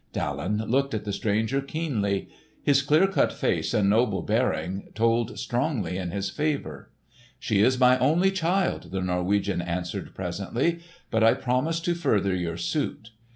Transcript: Daland looked at the stranger keenly. His clear cut face and noble bearing told strongly in his favour. "She is my only child," the Norwegian answered presently, "but I promise to further your suit.